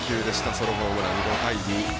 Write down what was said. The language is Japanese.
ソロホームラン５対２。